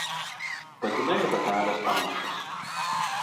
Patinai ir patelės panašūs.